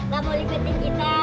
gak mau liputin kita